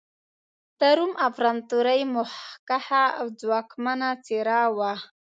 د روم امپراتورۍ مخکښه او ځواکمنه څېره وه.